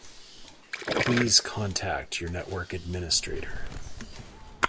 Please contact your network administrator.